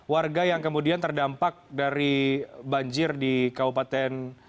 warga yang kemudian terdampak dari banjir di kabupaten